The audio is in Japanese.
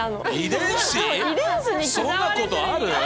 そんなことある！？